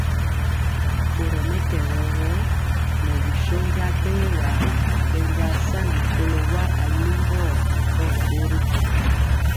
Borɔ mɛtɛgɔ gɔ, ŋɛɛ bi shónja bɛɛwa bɛnja saŋgi kɔlo wa alimbɔ ripɔgi bori.